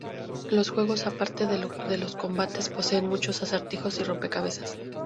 Los juegos, a parte de lo combates, poseen muchos acertijos y rompecabezas.